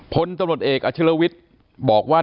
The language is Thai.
พลตำรวจเอกอาชิลวิทย์บอกว่า